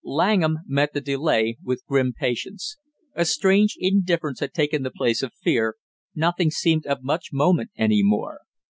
Langham met the delay with grim patience. A strange indifference had taken the place of fear, nothing seemed of much moment any more.